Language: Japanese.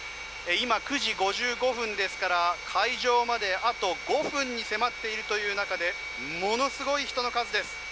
今、９時５５分ですから開場まであと５分に迫っているという中でものすごい人の数です。